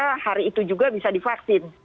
karena hari itu juga bisa divaksin